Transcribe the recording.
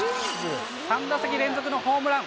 ３打席連続のホームラン。